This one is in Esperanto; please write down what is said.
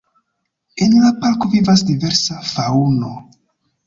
En la parko vivas diversa faŭno.